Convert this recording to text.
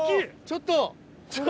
ちょっと。